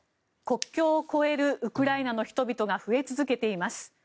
国境を越えるウクライナの人々が増え続けています。